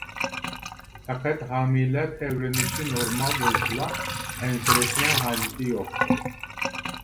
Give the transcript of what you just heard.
پەقەت ھامىلە تەۋرىنىشى نورمال بولسىلا، ئەنسىرەشنىڭ ھاجىتى يوق.